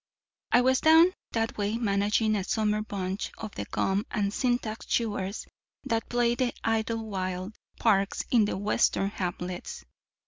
I was down that way managing a summer bunch of the gum and syntax chewers that play the Idlewild Parks in the Western hamlets.